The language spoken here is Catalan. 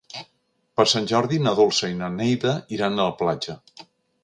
Per Sant Jordi na Dolça i na Neida iran a la platja.